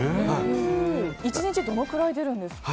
１日どのくらい出るんですか。